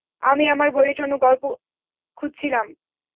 আমি আমার বইয়ের জন্য গল্প খুঁজছিলাম।